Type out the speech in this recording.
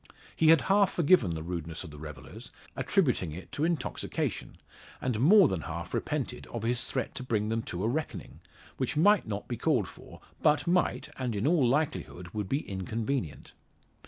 He had half forgiven the rudeness of the revellers attributing it to intoxication and more than half repented of his threat to bring them to a reckoning, which might not be called for, but might, and in all likelihood would be inconvenient.